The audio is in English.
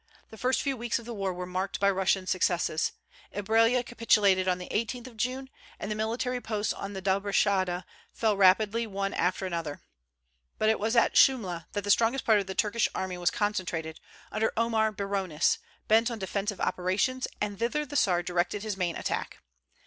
The first few weeks of the war were marked by Russian successes. Ibraila capitulated on the 18th of June, and the military posts on the Dobrudscha fell rapidly one after another. But it was at Shumla that the strongest part of the Turkish army was concentrated, under Omar Brionis, bent on defensive operations; and thither the Czar directed his main attack.